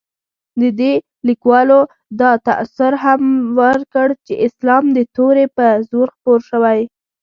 دې لیکوالو دا تاثر هم ورکړ چې اسلام د تورې په زور خپور شوی.